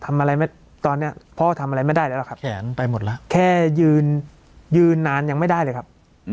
ตอนนี้พ่อทำอะไรไม่ได้แล้วล่ะครับแขนไปหมดแล้วแค่ยืนยืนนานยังไม่ได้เลยครับ